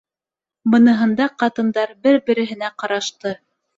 Быныһында ҡатындар бер-береһенә ҡарашты.